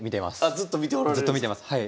ずっと見てますはい。